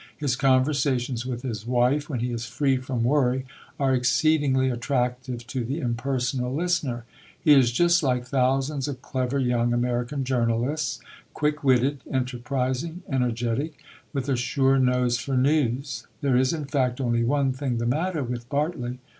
His conversations with his wife, when he is free from worry, are exceedingly attractive to the impersonal listener. He is just like thousands of clever young American journalists quick witted, enterprising, energetic, with a sure nose for news; there is, in fact, only one thing the matter with Bartley.